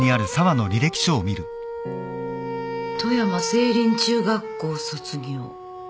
「富山聖林中学校卒業」